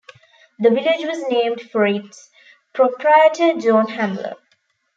The village was named for its proprietor, John Hamler.